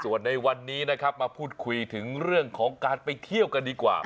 ส่วนในวันนี้นะครับมาพูดคุยถึงเรื่องของการไปเที่ยวกันดีกว่า